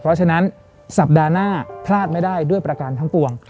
เพราะฉะนั้นสัปดาห์หน้าพลาดไม่ได้ด้วยประการทั้งปวง